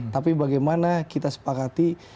tapi bagaimana kita sepakati